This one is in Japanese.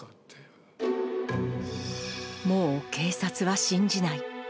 もう警察は信じない。